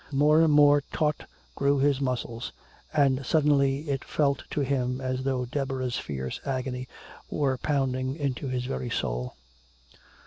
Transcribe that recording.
More and more taut grew his muscles, and suddenly it felt to him as though Deborah's fierce agony were pounding into his very soul.